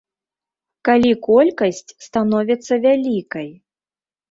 Калі колькасць становіцца вялікай?